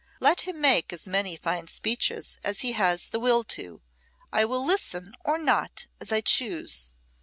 Let him make as many fine speeches as he has the will to. I will listen or not as I choose.